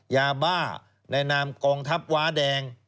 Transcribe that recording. ยาบ้าในนามกองทัพว้าแดง